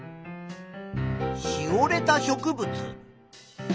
しおれた植物。